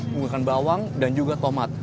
menggunakan bawang dan juga tomat